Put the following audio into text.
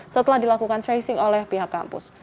setelah dilakukan tracing oleh pihak kampus